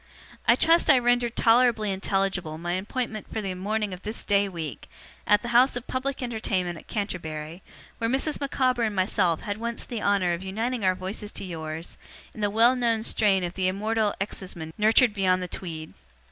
'I trust I rendered tolerably intelligible my appointment for the morning of this day week, at the house of public entertainment at Canterbury, where Mrs. Micawber and myself had once the honour of uniting our voices to yours, in the well known strain of the Immortal exciseman nurtured beyond the Tweed.